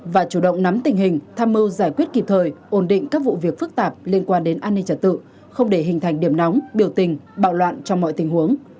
và chủ động nắm tình hình tham mưu giải quyết kịp thời ổn định các vụ việc phức tạp liên quan đến an ninh trật tự không để hình thành điểm nóng biểu tình bạo loạn trong mọi tình huống